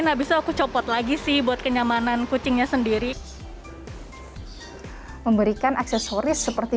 nabi selaku copot lagi sih buat kenyamanan kucingnya sendiri memberikan aksesoris seperti